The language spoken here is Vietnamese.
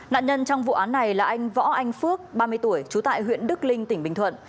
nạn nhân trong vụ án này là anh võ anh phước ba mươi tuổi trú tại huyện đức linh tỉnh bình thuận